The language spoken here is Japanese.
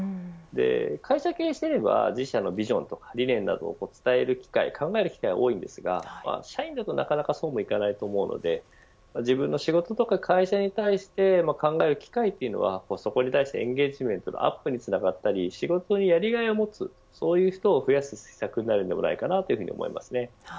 会社を経営していれば自社のビジョンとか理念を伝える機会が多いですが社員だとそうはいかないと思うので自分の仕事や会社に対して考える機会というのはそこに対してエンゲージメントのアップにつながったり仕事にやりがいを持つそういう人を増やす施策になるのではないかと思います。